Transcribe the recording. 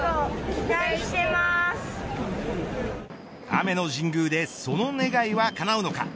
雨の神宮でその願いはかなうのか。